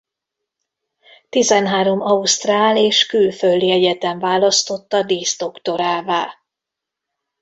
Tizenhárom ausztrál és külföldi egyetem választotta díszdoktorává.